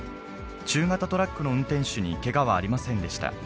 中型トラックの運転手にけがはありませんでした。